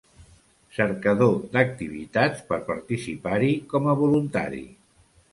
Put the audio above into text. Cercador d'activitats per participar-hi com a voluntari.